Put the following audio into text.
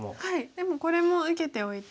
でもこれも受けておいて。